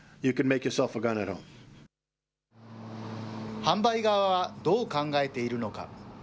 販売側はどう考えているのか。